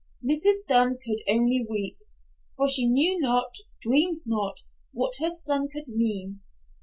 Mrs. Dunn could only weep, for she knew not, dreamed not, what her son could mean.